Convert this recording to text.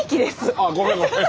あっごめんごめん。